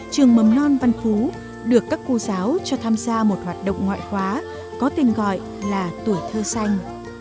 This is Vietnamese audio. trường mầm non văn phú được các cô giáo cho tham gia một hoạt động ngoại khóa có tên gọi là tuổi thơ xanh